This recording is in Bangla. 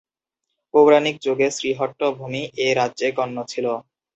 পৌরাণিক যুগে শ্রীহট্ট ভূমি এ রাজ্যে গণ্য ছিল।